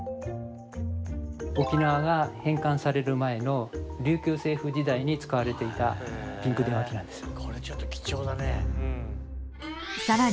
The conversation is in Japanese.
沖縄が返還される前の琉球政府時代に使われていたピンク電話機なんですよ。